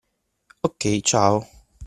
OK, ciao.